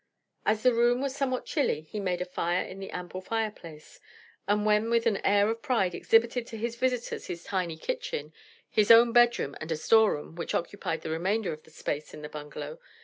As the room was somewhat chilly he made a fire in the ample fireplace and then with an air of pride exhibited to his visitors his tiny kitchen, his own bedroom and a storeroom, which occupied the remainder of the space in the bungalow.